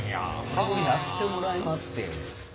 これをやってもらいますて。